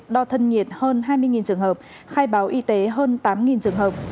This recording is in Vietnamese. đo thân nhiệt hơn hai mươi trường hợp khai báo y tế hơn tám trường hợp